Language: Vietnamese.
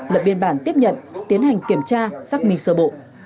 lập biên bản tiếp nhận tiến hành kiểm tra xác minh sơ bộ